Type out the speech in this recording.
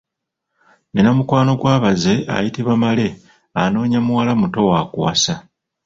Nnina mukwano gwa baze ayitibwa Male anoonya muwala muto wa kuwasa.